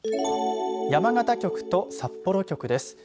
山形局と札幌局です。